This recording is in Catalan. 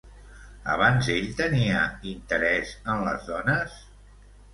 Abans ell tenia interès en les dones?